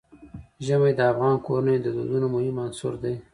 ژمی د افغان کورنیو د دودونو مهم عنصر دی.